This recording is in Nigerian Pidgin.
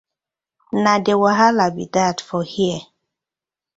Na de wahala bi dat for here.